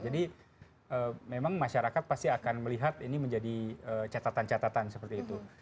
jadi memang masyarakat pasti akan melihat ini menjadi catatan catatan seperti itu